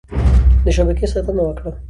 د شبکې ساتنه وکړه.